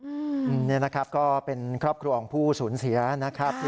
นี่นะครับก็เป็นครอบครัวของผู้สูญเสียนะครับ